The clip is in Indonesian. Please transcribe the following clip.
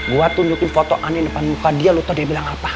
gue tunjukin foto aneh depan muka dia lutut dia bilang apa